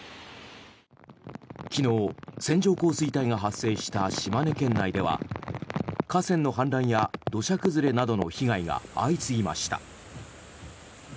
昨日、線状降水帯が発生した島根県内では河川の氾濫や土砂崩れなどの被害が相次ぎました。